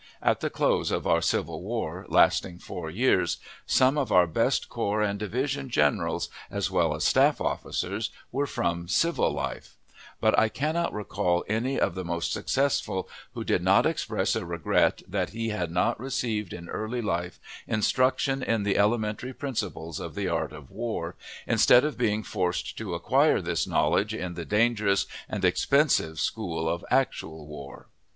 At the close of our civil war, lasting four years, some of our best corps and division generals, as well as staff officers, were from civil life; but I cannot recall any of the most successful who did not express a regret that he had not received in early life instruction in the elementary principles of the art of war, instead of being forced to acquire this knowledge in the dangerous and expensive school of actual war.